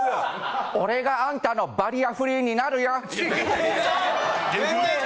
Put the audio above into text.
俺があんたのバリアフリーになるよ。